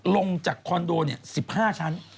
ลงจากคอนโด๑๕ชั้น